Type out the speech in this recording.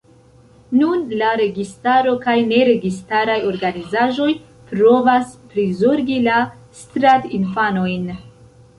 Nun la registaro kaj neregistaraj organizaĵoj provas prizorgi la strat-infanojn.